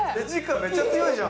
めちゃ強いじゃん。